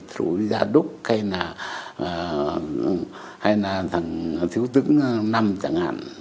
trụ gia đúc hay là thằng thiếu tử năm chẳng hạn